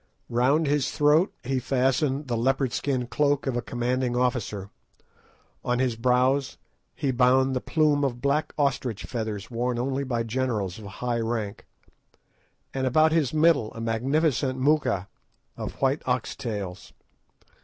Round his throat he fastened the leopard skin cloak of a commanding officer, on his brows he bound the plume of black ostrich feathers worn only by generals of high rank, and about his middle a magnificent moocha of white ox tails.